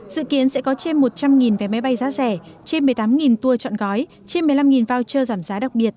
dự kiến sẽ có trên một trăm linh vé máy bay giá rẻ trên một mươi tám tour chọn gói trên một mươi năm voucher giảm giá đặc biệt